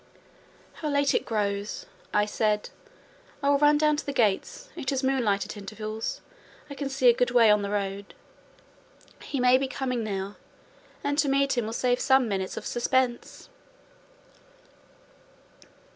"How late it grows!" I said. "I will run down to the gates: it is moonlight at intervals; I can see a good way on the road. He may be coming now, and to meet him will save some minutes of suspense."